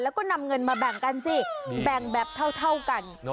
แล้วก็นำเงินมาแบ่งกันสิแบ่งแบบเท่ากัน